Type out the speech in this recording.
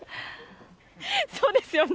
そうですよね。